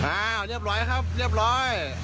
อ้าวเรียบร้อยครับเรียบร้อย